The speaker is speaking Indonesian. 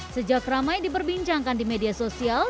sejak ramai diperbincangkan di media sosial